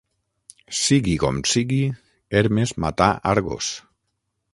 Sigui com sigui, Hermes matà Argos.